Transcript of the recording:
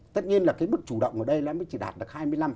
tất nhiên là cái mức chủ động ở đây nó mới chỉ đạt được hai mươi năm